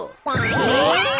えっ！？